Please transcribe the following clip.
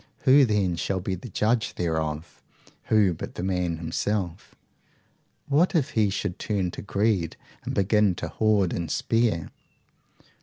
Who then shall be the judge thereof? Who but the man himself? What if he should turn to greed, and begin to hoard and spare?